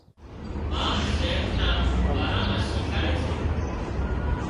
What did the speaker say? ما صحت نا ڀارا مان شيکاڙي سي